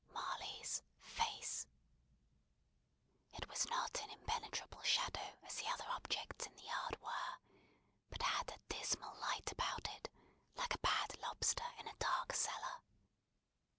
Marley's face. It was not in impenetrable shadow as the other objects in the yard were, but had a dismal light about it, like a bad lobster in a dark cellar.